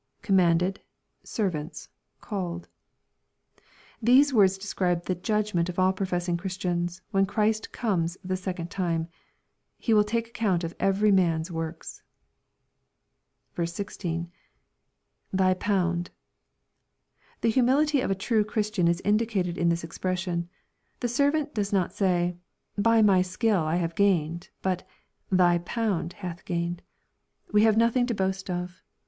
[Com'manded...8ervants..,caned.] These words describe the judg ment of all professing Christians, when Chiist comes the second time. He will take account of every man's works. 16. — l^y pound.] The humility of a true Christian is indicated in this expression. The servant does not say, " By my skill I have gained, but, " thy pound hath gained." We have nothing to boast of.